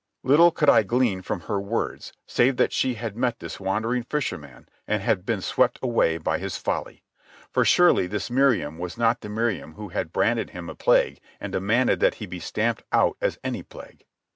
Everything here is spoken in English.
Little could I glean from her words, save that she had met this wandering fisherman and been swept away by his folly. For surely this Miriam was not the Miriam who had branded him a plague and demanded that he be stamped out as any plague.